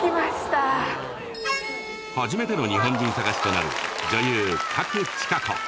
初めての日本人探しとなる女優